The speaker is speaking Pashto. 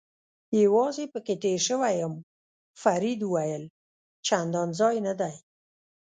یوازې پکې تېر شوی یم، فرید وویل: چندان ځای نه دی.